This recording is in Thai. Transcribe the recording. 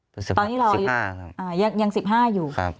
ตอนนี้เราสิบห้าครับยังสิบห้าอยู่ครับ